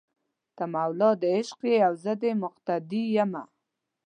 ته مولا دې عشق یې او زه دې مقتدي یمه